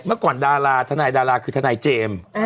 เมื่อก่อนดาราทนายดาราคือทนายเจมส์